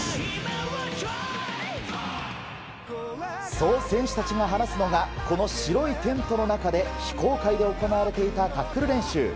そう選手たちが話すのがこの白いテントの中で非公開で行われていたタックル練習。